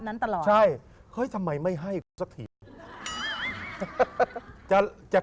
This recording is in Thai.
มันเป็นให้มือย